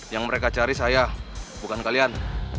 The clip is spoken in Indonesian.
yang mereka cari saya bukan kalian